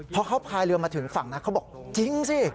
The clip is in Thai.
พอเขาพายเรือมาถึงฝั่งนั้นเขาบอกจริงสิ